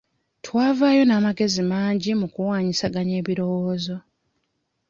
Twavaayo n'amagezi mangi mu kuwaanyisiganya ebirowoozo.